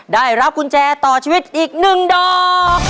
ได้รับกุญแจต่อชีวิตอีก๑ดอก